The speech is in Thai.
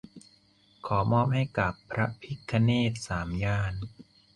ขอมอบให้กับ "พระพิฆเนศสามย่าน"